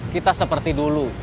kita seperti dulu